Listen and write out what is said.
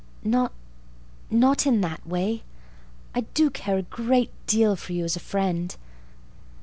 "Not—not in that way. I do care a great deal for you as a friend.